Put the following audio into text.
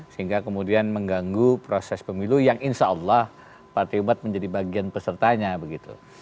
sehingga kemudian mengganggu proses pemilu yang insya allah partai umat menjadi bagian pesertanya begitu